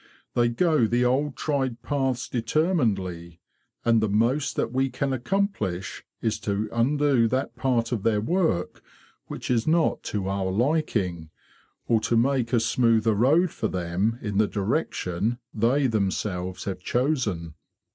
They go the old tried paths determinedly; and the most that we can accomplish is to undo that part of their work which is not to our liking, or to make a smoother road for them in the direction they themselves have chosen."